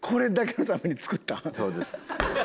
そうです。